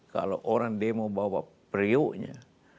kalau orang demo bawa periuknya